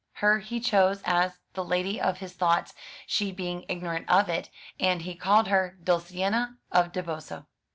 Her he chose as the Lady of his thoughts, she being ignorant of it, and he called her Dulcinea of Toboso.